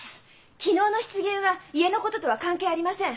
昨日の失言は家のこととは関係ありません！